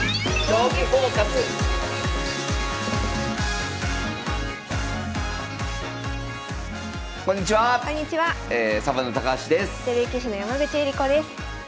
女流棋士の山口恵梨子です。